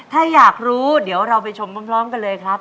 ถ้าอยากรู้เดี๋ยวเราไปชมพร้อมกันเลยครับ